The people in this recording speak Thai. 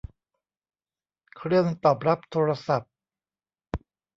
เครื่องตอบรับโทรศัพท์